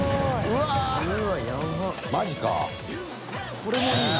これもいいな。